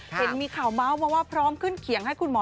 เห็นมีข่าวเมาส์มาว่าพร้อมขึ้นเขียงให้คุณหมอ